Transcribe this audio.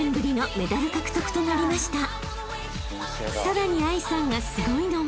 ［さらに藍さんがすごいのは］